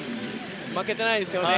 負けていないですよね